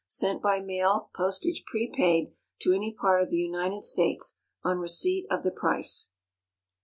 _Sent by mail, postage prepaid, to any part of the United States, on receipt of the price.